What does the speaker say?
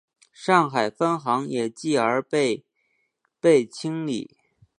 上海分行也继而被被清理。